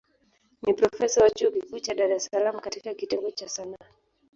Ni profesa wa chuo kikuu cha Dar es Salaam katika kitengo cha Sanaa.